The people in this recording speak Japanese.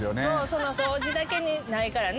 その掃除だけでないからね。